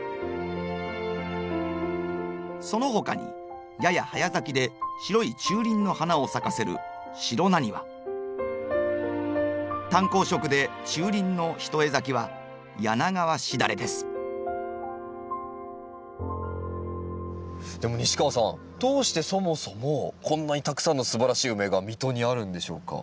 そのほかにやや早咲きで白い中輪の花を咲かせる淡紅色で中輪の一重咲きはでも西川さんどうしてそもそもこんなにたくさんのすばらしいウメが水戸にあるんでしょうか？